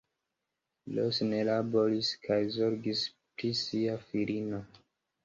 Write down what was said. Ros ne laboris kaj zorgis pri sia filino.